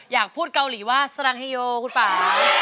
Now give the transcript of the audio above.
อยากพูดเกาหลีว่าสรังเฮโยคุณป่า